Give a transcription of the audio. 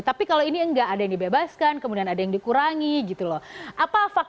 tapi kalau ini enggak ada yang dibebaskan kemudian ada yang dikurangi gitu loh